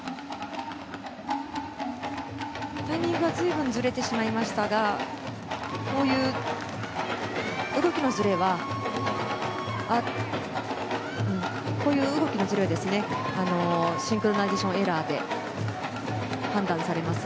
タイミングが随分ずれてしまいましたがこういう動きのずれはシンクロナイゼーションエラーと判断されます。